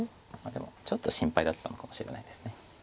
でもちょっと心配だったのかもしれないです。